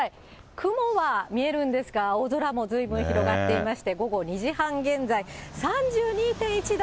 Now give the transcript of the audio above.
雲は見えるんですが、青空もずいぶん広がっていまして、午後２時半現在、３２．１度。